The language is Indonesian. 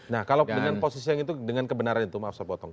nah kalau dengan posisi yang itu dengan kebenaran itu maaf saya potong